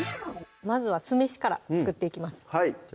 まずは酢飯から作っていきますじゃ